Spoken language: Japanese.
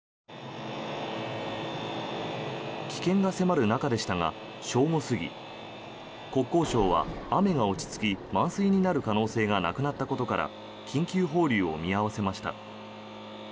危険が迫る中でしたが正午過ぎ国交省は雨が落ち着き満水になる可能性がなくなったことから緊急放流を見合わせました。